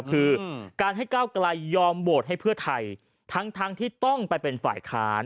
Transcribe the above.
คือการให้ก้าวไกลยอมโหวตให้เพื่อไทยทั้งที่ต้องไปเป็นฝ่ายค้าน